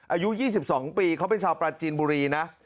อายุ๒๒ปีเขาเป็นชาวปราจีนบุรีนะ